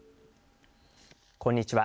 こんにちは。